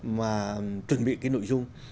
mà chuẩn bị cái nội dung